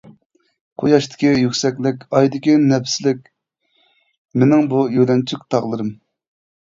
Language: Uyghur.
قۇياشتىكى يۈكسەكلىك، ئايدىكى نەپىسلىك مېنىڭ بۇ يۆلەنچۈك تاغلىرىم.